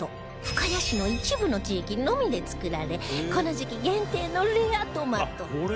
深谷市の一部の地域のみで作られこの時期限定のレアトマト